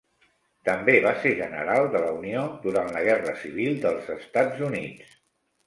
També va ser general de la Unió durant la Guerra Civil dels Estats Units.